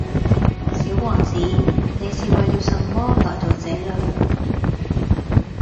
小王子，你是為了什麼來到這裏？